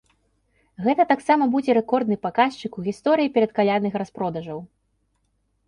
Гэта таксама будзе рэкордны паказчык у гісторыі перадкалядных распродажаў.